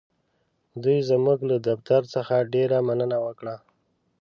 دوی زموږ له دفتر څخه ډېره مننه وکړه.